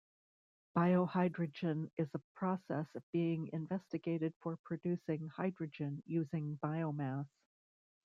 Biohydrogen is a process being investigated for producing hydrogen using biomass.